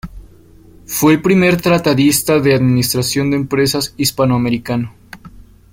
Fue el primer tratadista de Administración de empresas hispanoamericano.